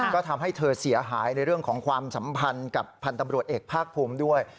ก็ทำให้เธอเสียหายในเรื่องของความสัมพันธ์กับพันธ์ตำรวจเอกภาคภูมิด้วย